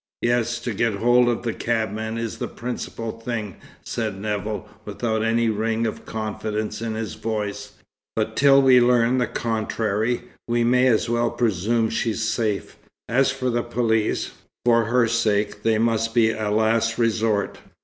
"Yes, to get hold of the cabman is the principal thing," said Nevill, without any ring of confidence in his voice. "But till we learn the contrary, we may as well presume she's safe. As for the police, for her sake they must be a last resort."